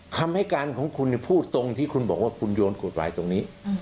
คำให้การของคุณพูดตรงที่คุณบอกว่าคุณโยนกฎหมายตรงนี้